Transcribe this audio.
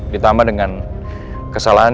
ditambah dengan kesalahan